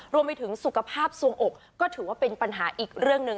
รวมไปถึงสุขภาพสวงอกก็ถือว่าเป็นปัญหาอีกเรื่องหนึ่ง